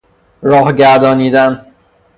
راه گردانیدن